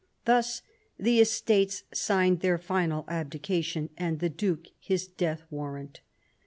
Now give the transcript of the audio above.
Thus " the Estates signed their final abdication ; and the Duke his death warrant."